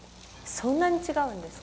そんなに違うんですか？